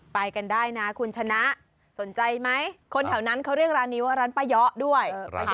เป้ยกันได้นะสนใจไหมคนแถวนั้นเรื่องร้านนี้ว่าร้านปลาเยาะด้วย